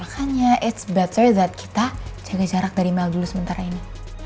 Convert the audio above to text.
makanya it's better that kita jaga jarak dari mel dulu sementara ini